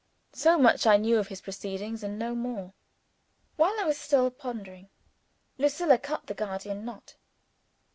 So much I knew of his proceedings and no more. While I was still pondering, Lucilla cut the Gordian knot.